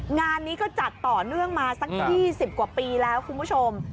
งานนี้ก็จัดต่อเนื่องมาสัก๒๐กว่าปีแล้วคุณผู้ชม